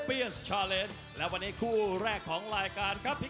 พวกเขาเจอโรคแพร่ภายในปี๗๕๒